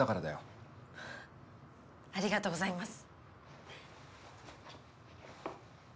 ありがとうございます。